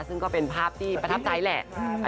ซึ่งก็เป็นภาพที่ประทับใจแหละ